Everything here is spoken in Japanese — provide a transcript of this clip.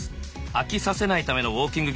飽きさせないためのウォーキング技術